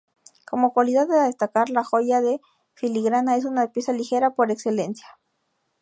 Como cualidad a destacar, la joya de filigrana es una pieza ligera por excelencia.